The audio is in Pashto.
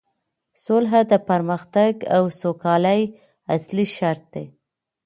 سوله د پرمختګ او سوکالۍ اصلي شرط دی